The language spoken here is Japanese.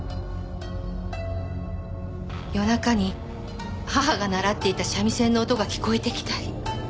夜中に義母が習っていた三味線の音が聞こえてきたり。